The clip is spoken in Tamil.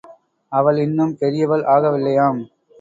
அவள் இன்னும் பெரியவள் ஆகவில்லையாம்.